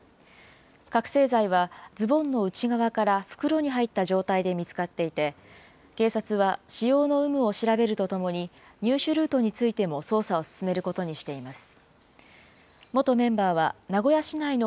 覚醒剤はズボンの内側から袋に入った状態で見つかっていて、警察は使用の有無を調べるとともに、入手ルートについても捜査を進めることにしています。